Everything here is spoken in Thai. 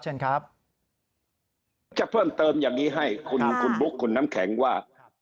จะเพิ่มเติมอย่างนี้ให้คุณบุ๊คคุณน้ำแข็งว่า